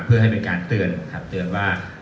เพื่อให้เป็นการเตือนครับเตือนว่า